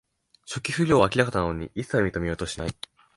初期不良は明らかなのに、いっさい認めようとしない